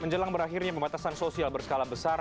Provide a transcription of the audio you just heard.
menjelang berakhirnya pembatasan sosial berskala besar